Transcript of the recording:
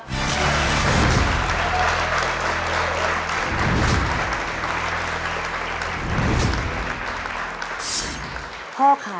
ขอเชยคุณพ่อสนอกขึ้นมาต่อชีวิตเป็นคนต่อไปครับ